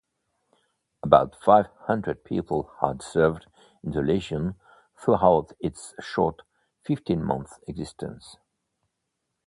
About five hundred people had served in the legion throughout its short fifteen-month existence.